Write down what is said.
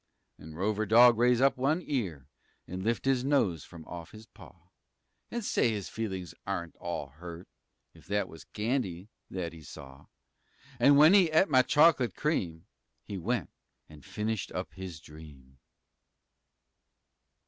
Nen Rover Dog raise up one ear An' lift his nose fum off his paw, An' say his feelin's aren't all hurt If that was candy that he saw! 'N w'en he'd et my choc'late cream He went an' finished up his dream.